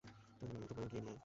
তবুও, গিয়ে নিয়ে আয়!